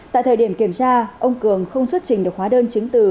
tại thời điểm kiểm tra ông cường không xuất trình được hóa đơn chứng từ